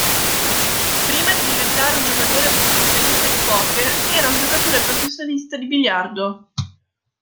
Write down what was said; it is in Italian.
Prima di diventare un giocatore professionista di poker era un giocatore professionista di biliardo.